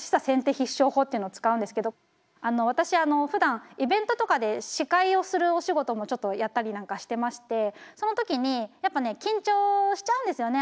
必勝法っていうのを使うんですけど私ふだんイベントとかで司会をするお仕事もちょっとやったりなんかしてましてその時にやっぱね緊張しちゃうんですよね